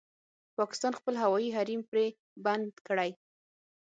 پاکستان خپل هوايي حريم پرې بند کړی